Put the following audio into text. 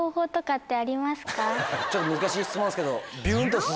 ちょっと難しい質問ですけど。